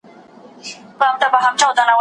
شمال د دغې پاڼې پر سر لومړی تېرېږي.